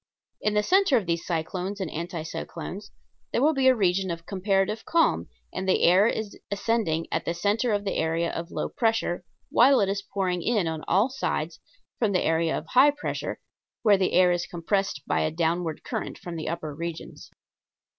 In the center of these cyclones and anti cyclones there will be a region of comparative calm, and the air is ascending at the center of the area of low pressure while it is pouring in on all sides from the area of high pressure where the air is compressed by a downward current from the upper regions.